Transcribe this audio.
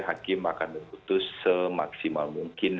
hakim akan memutus semaksimal mungkin